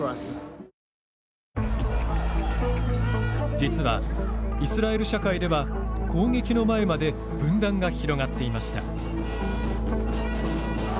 実は、イスラエル社会では攻撃の前まで分断が広がっていました。